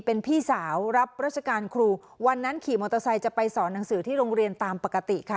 เป็นพี่สาวรับราชการครูวันนั้นขี่มอเตอร์ไซค์จะไปสอนหนังสือที่โรงเรียนตามปกติค่ะ